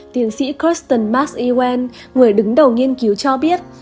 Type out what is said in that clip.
tiến sĩ christian max ewen người đứng đầu nghiên cứu cho biết